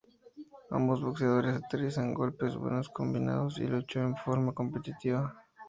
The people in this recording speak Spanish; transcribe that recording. Ambos boxeadores aterrizaron golpes buenos combinados, y luchó en forma competitiva.